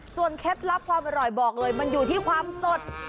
เคล็ดลับความอร่อยบอกเลยมันอยู่ที่ความสด